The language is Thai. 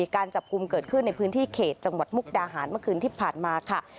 การจับกลุ่มเกิดขึ้นในพื้นที่เขตจังหวัดมุกดาหารเมื่อคืนที่ผ่านมาค่ะ